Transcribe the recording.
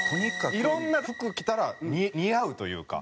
いろんな服着たら似合うというか。